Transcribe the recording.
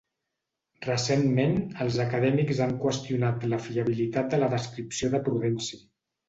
Recentment, els acadèmics han qüestionat la fiabilitat de la descripció de Prudenci.